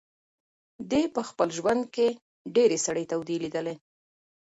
دی په خپل ژوند کې ډېرې سړې تودې لیدلي.